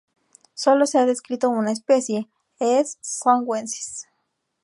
Solo se ha descrito a una especie, "S.songwensis".